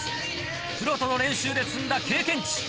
プロとの練習で積んだ経験値。